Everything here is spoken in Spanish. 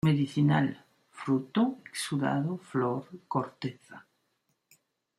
Medicinal: fruto, exudado, flor, corteza.